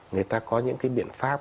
người ta có những cái biện pháp